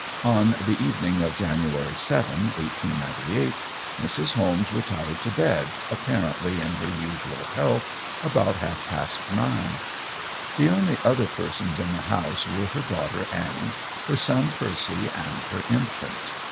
On the evening of January 7, 1898, Mrs. Holmes retired to bed, apparently in her usual health, about half past nine. The only other persons in the house were her daughter Annie, her son Percy, and her infant.